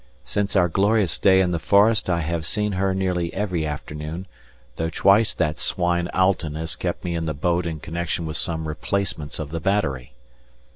Since our glorious day in the forest I have seen her nearly every afternoon, though twice that swine Alten has kept me in the boat in connection with some replacements of the battery.